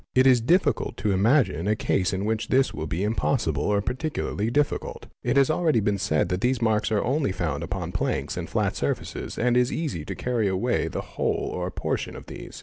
It is difficult to imagine a case in which this will be impossible or particularly difficult. As has already been said, these marks are only found upon planks and flat surfaces and it is easy to carry away the whole or a portion of these.